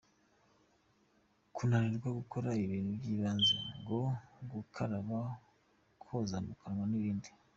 Kunanirwa gukora ibintu by’ibanze nko gukaraba, koza mu kanwa n’ibindi.